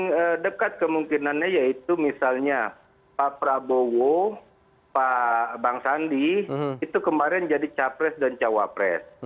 yang dekat kemungkinannya yaitu misalnya pak prabowo pak bang sandi itu kemarin jadi capres dan cawapres